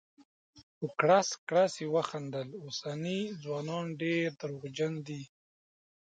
په کړس کړس یې وخندل: اوسني ځوانان ډير درواغجن دي.